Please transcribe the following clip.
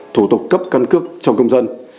thủ tục cấp căn cứ cho công dân